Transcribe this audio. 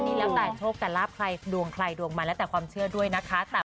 นี่แล้วแต่โชคแต่ลาบใครดวงใครดวงมันแล้วแต่ความเชื่อด้วยนะคะ